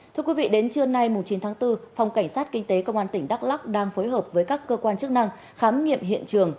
thưa quý vị đến trưa nay chín tháng bốn phòng cảnh sát kinh tế công an tỉnh đắk lắc đang phối hợp với các cơ quan chức năng khám nghiệm hiện trường